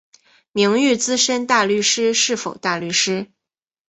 名誉资深大律师是否大律师？